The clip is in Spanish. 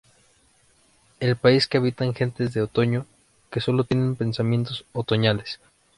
El país que habitan gentes de otoño, que sólo tienen pensamientos otoñales.